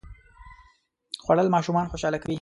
خوړل ماشومان خوشاله کوي